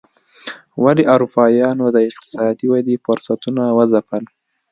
ولې اروپایانو د اقتصادي ودې فرصتونه وځپل.